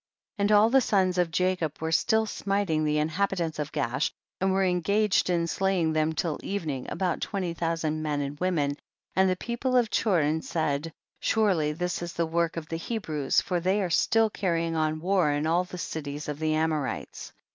54. And all the sons of Jacob were still smiting the inhabitants of Gaash, and xoere engaged in slaying them till evening, about twenty thou sand men and women, and the people of Chorin said, surely this is the work of the Hebrews, for they are still carrying on war in all the cities of the Amorites.